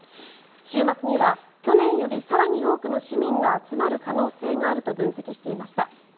週末には去年より更に多くの市民が集まる可能性があると分析していました。